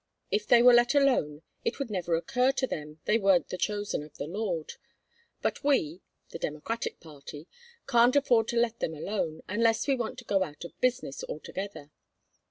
If they were let alone it would never occur to them they weren't the chosen of the Lord; but we the Democratic party can't afford to let them alone, unless we want to go out of business altogether.